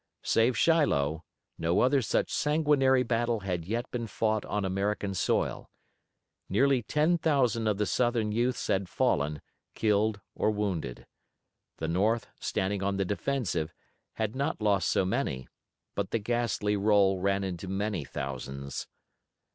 Save Shiloh, no other such sanguinary battle had yet been fought on American soil. Nearly ten thousand of the Southern youths had fallen, killed or wounded. The North, standing on the defensive, had not lost so many, but the ghastly roll ran into many thousands.